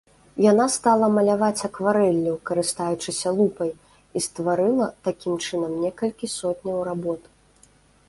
Яна стала маляваць акварэллю, карыстаючыся лупай, і стварыла такім чынам некалькі сотняў работ.